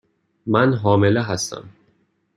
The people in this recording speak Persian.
من حامله هستم.